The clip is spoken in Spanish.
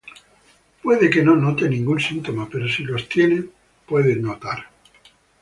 Puede que no note ningún síntoma, pero si los tiene, puede notar:•